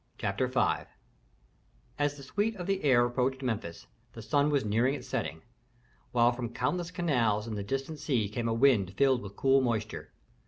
CHAPTER V As the suite of the heir approached Memphis, the sun was near its setting, while from countless canals and the distant sea came a wind filled with cool moisture.